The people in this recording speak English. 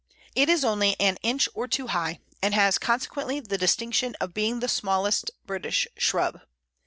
It is only an inch or two high, and has consequently the distinction of being the smallest British shrub.